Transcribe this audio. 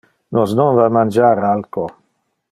Nos non va a mangiar alco.